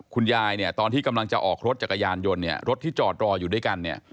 คุณยายตอนที่กำลังจะออกรถจักรยานยนต์รถที่จอดรออยู่ด้วยกัน